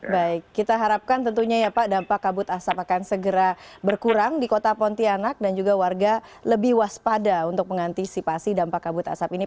baik kita harapkan tentunya ya pak dampak kabut asap akan segera berkurang di kota pontianak dan juga warga lebih waspada untuk mengantisipasi dampak kabut asap ini